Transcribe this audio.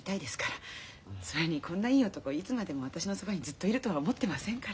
それにこんないい男いつまでも私のそばにずっといるとは思ってませんから。